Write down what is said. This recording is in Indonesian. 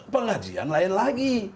pengajian lain lagi